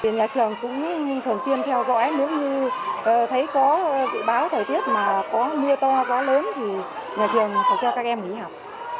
nhà trường cũng thường xuyên theo dõi nếu như thấy có dự báo thời tiết mà có mưa to gió lớn thì nhà trường phải cho các em nghỉ học